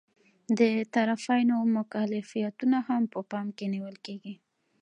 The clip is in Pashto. د طرفینو مکلفیتونه هم په پام کې نیول کیږي.